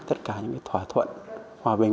tất cả những thỏa thuận hòa bình